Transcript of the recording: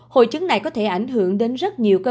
hội chứng này có thể ảnh hưởng đến rất nhiều cơ hội